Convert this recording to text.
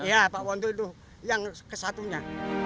iya pak wondo itu yang kesatunya